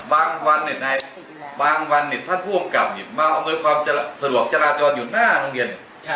บางวันเนี่ยไงบางวันเนี่ยถ้าผู้องกรรมเนี่ยมาเอาเงินความสะดวกจราจรอยู่หน้าโรงเรียน